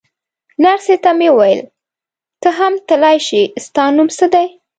نرسې ته مې وویل: ته هم تلای شې، ستا نوم څه دی؟